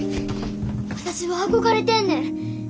私は憧れてんねん。